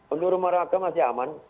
untuk rumah raka masih aman